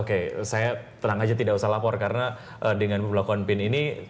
oke saya terang aja tidak usah lapor karena dengan melakukan pin ini saya tetap merasa aman gitu